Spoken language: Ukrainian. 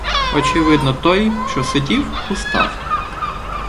Очевидно, той, що сидів, устав.